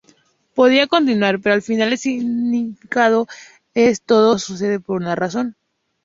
Podría continuar, pero al final el significado es "Todo sucede por una razón".